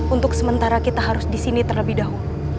untuk sementara kita harus disini terlebih dahulu